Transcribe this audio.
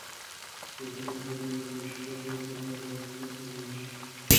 لګښتونه باید د یوې شفافې تګلارې له مخې تنظیم شي.